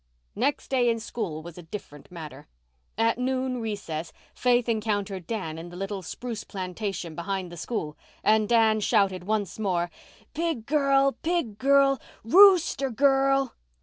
Next day in school was a different matter. At noon recess Faith encountered Dan in the little spruce plantation behind the school and Dan shouted once more, "Pig girl! Pig girl! _Rooster girl!